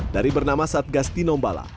dari bernama satgas tinombala